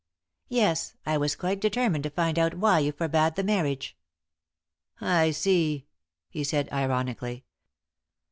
"Yes. I was quite determined to find out why you forbade the marriage." "I see," he said, ironically.